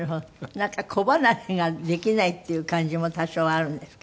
なんか子離れができないっていう感じも多少あるんですか？